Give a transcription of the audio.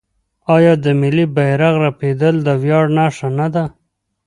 آیا د ملي بیرغ رپیدل د ویاړ نښه نه ده؟